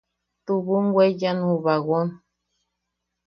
Tubum weyan ju bagon.